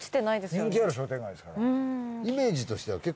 人気ある商店街ですから。